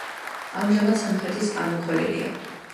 ამჟამად სამხრეთის ამოქოლილია.